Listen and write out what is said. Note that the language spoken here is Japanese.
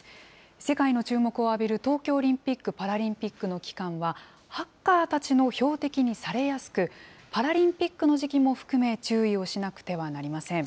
世界の注目を浴びる東京オリンピック・パラリンピックの期間は、ハッカーたちの標的にされやすく、パラリンピックの時期も含め、注意をしなくてはなりません。